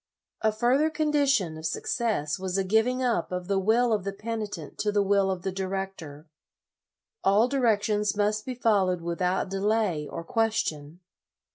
A further condition of success was a giving up of the will of the penitent to the will of the director. All directions must be followed without delay or question.